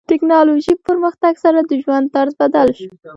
ټکنالوژي پرمختګ سره د ژوند طرز بدل شوی.